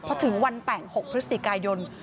เพราะถึงวันแต่ง๖พฤษฎิกายน